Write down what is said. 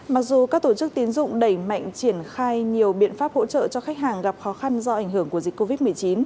mặc dù các tổ chức tiến dụng đẩy mạnh triển khai nhiều biện pháp hỗ trợ cho khách hàng gặp khó khăn do ảnh hưởng của dịch covid một mươi chín